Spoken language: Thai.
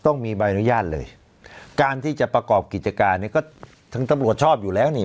ต้องมีใบอนุญาตเลยการที่จะประกอบกิจการเนี่ยก็ถึงตำรวจชอบอยู่แล้วนี่